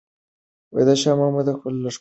شاه محمود د خپل لښکر نظم ساتي.